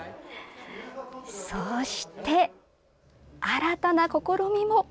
そして、新たな試みも。